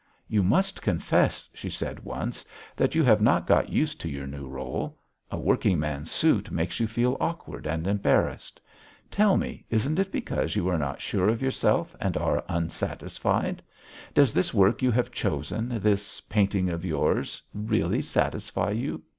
"You must confess," she said once, "that you have not got used to your new rôle. A working man's suit makes you feel awkward and embarrassed. Tell me, isn't it because you are not sure of yourself and are unsatisfied? Does this work you have chosen, this painting of yours, really satisfy you?"